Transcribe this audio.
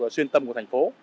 xuyên tâm của thành phố